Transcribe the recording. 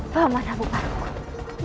pak manabu paruku